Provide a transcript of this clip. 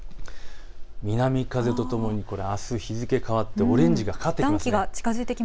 南風とともにあす日付変わってオレンジがかかってきます。